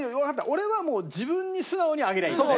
俺はもう自分に素直に上げればいいのね？